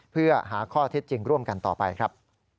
เพื่อหาข้อเท็จจริงร่วมกันต่อไปครับ